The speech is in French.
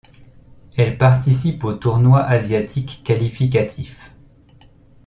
Elle participe au tournoi asiatique qualificatif.